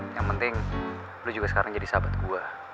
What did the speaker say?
yang penting lu juga sekarang jadi sahabat gue